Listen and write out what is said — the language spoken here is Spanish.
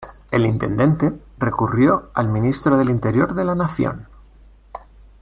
El intendente recurrió al Ministro del Interior de la Nación.